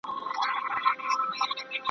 نه مو آرام نه شین اسمان ولیدی `